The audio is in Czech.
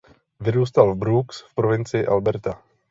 Vyrůstal v Brooks v provincii Alberta.